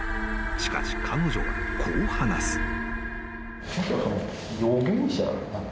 ［しかし彼女はこう話す］